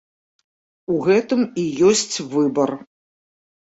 У гэтым і ёсць выбар.